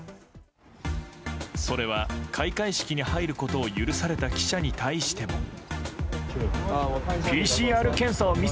それは、開会式に入ることを許された記者に対しても。